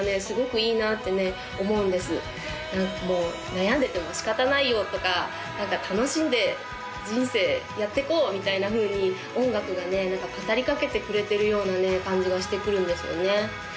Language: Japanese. すごくいいなってね思うんです何かもう悩んでてもしかたないよとか楽しんで人生やっていこうみたいなふうに音楽がね何か語りかけてくれてるようなね感じがしてくるんですよね